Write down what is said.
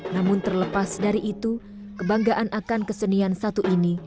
namun terlepas dari itu kebanggaan akan kesenian satu ini